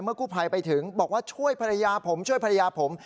กู้ภัยไปถึงบอกว่าช่วยภรรยาผมช่วยภรรยาผม